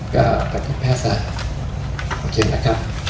กะทิแฟซ่าขอบคุณนะครับ